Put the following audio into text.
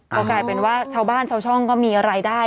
ก็กลายเป็นว่าชาวบ้านชาวช่องก็มีรายได้